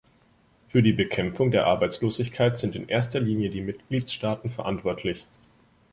Für die Bekämpfung der Arbeitslosigkeit sind in erster Linie die Mitgliedstaaten verantwortlich.